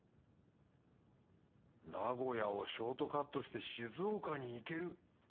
名古屋をショートカットして静岡に行ける！